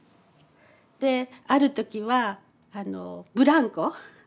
である時はブランコ。